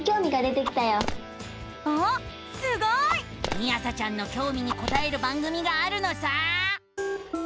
みあさちゃんのきょうみにこたえる番組があるのさ！